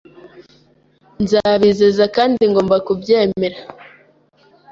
Ndabizeza kandi ngomba kubyemera